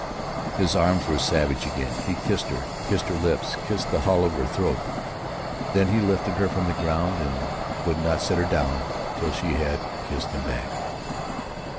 '" His arms were savage again; he kissed her, kissed her lips, kissed the hollow of her throat. Then he lifted her from the ground and would not set her down till she had kissed him back.